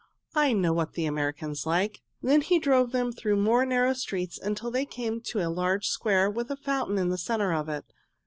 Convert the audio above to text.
"I know what the Americans like." He then drove them through more narrow streets, until they came to a large square with a fountain in the center of it.